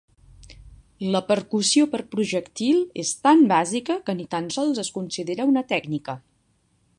La percussió per projectil és tan bàsica que ni tan sols es considera una tècnica.